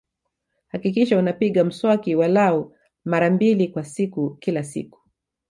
Hakikisha unapiga mswaki walau mara mbili kwa siku kila siku